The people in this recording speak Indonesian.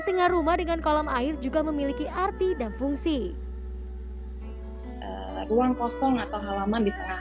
tengah rumah dengan kolam air juga memiliki arti dan fungsi ruang kosong atau halaman di tengah